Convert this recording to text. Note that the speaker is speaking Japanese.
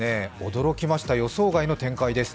驚きました、予想外の展開です。